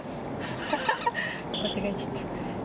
間違えちゃった。